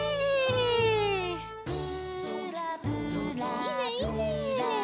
いいねいいね！